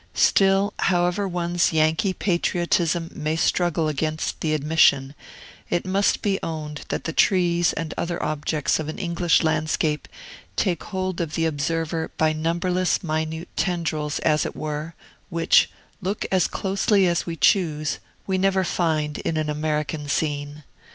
Still, however one's Yankee patriotism may struggle against the admission, it must be owned that the trees and other objects of an English landscape take hold of the observer by numberless minute tendrils, as it were, which, look as closely as we choose, we never find in an American scene.